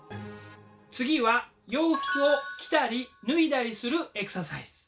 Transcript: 次は洋服を着たり脱いだりするエクササイズ。